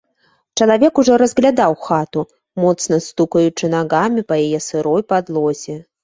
Чалавек ужо разглядаў хату, моцна стукаючы нагамі па яе сырой падлозе.